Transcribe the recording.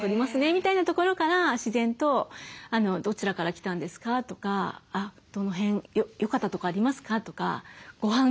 みたいなところから自然と「どちらから来たんですか？」とか「どの辺よかったとこありますか？」とかごはん